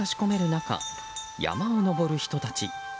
中山を登る人たち。